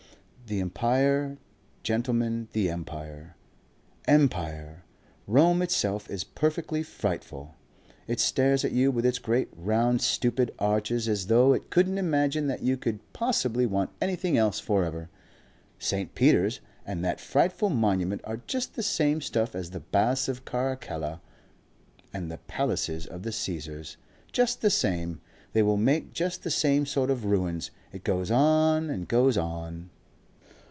'The empire, gentlemen the Empire. Empire.' Rome itself is perfectly frightful. It stares at you with its great round stupid arches as though it couldn't imagine that you could possibly want anything else for ever. Saint Peter's and that frightful Monument are just the same stuff as the Baths of Caracalla and the palaces of the Caesars. Just the same. They will make just the same sort of ruins. It goes on and goes on."